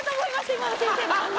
今の先生の反応。